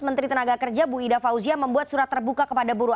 menteri tenaga kerja bu ida fauzia membuat surat terbuka kepada buruh